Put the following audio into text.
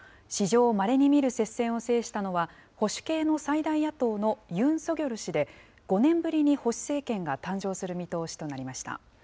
史上まれに見る接戦を制したのは、保守系の最大野党のユン・ソギョル氏で、５年ぶりに保守政権が誕生する見通しとなりました。